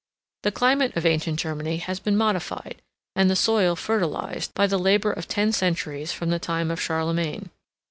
] The climate of ancient Germany has been modified, and the soil fertilized, by the labor of ten centuries from the time of Charlemagne.